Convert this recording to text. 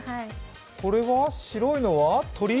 これは白いのは鳥？